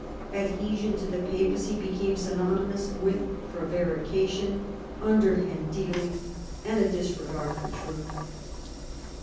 Adhesion to the Papacy became synonymous with prevarication, underhand dealing, and a disregard for truth.